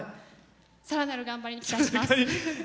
さらなる頑張りに期待します。